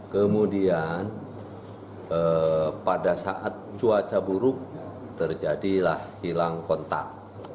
kemudian pada saat cuaca buruk terjadilah hilang kontak